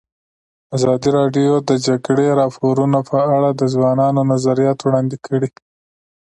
ازادي راډیو د د جګړې راپورونه په اړه د ځوانانو نظریات وړاندې کړي.